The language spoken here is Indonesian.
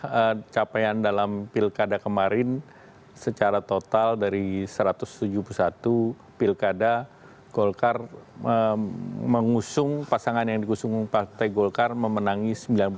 karena capaian dalam pilkada kemarin secara total dari satu ratus tujuh puluh satu pilkada golkar mengusung pasangan yang diusung partai golkar memenangi sembilan puluh tujuh